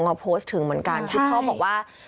มาโพสต์ถึงเหมือนกันคุณพ่อบอกว่า